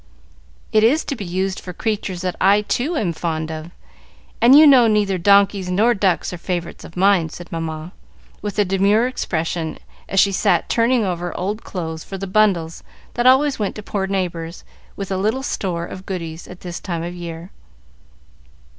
"It is to be used for creatures that I, too, am fond of, and you know neither donkeys nor ducks are favorites of mine," said Mamma, with a demure expression, as she sat turning over old clothes for the bundles that always went to poor neighbors, with a little store of goodies, at this time of the year.